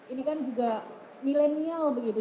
ini kan juga milenial begitu